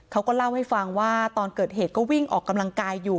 เขาก็เล่าให้ฟังว่าตอนเกิดเหตุก็วิ่งออกกำลังกายอยู่